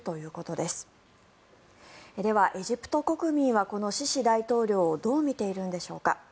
ではエジプト国民はこのシシ大統領をどう見ているんでしょうか。